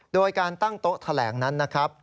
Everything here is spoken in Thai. โดยการตั้งโต๊ะแถลงนั้นนะครับ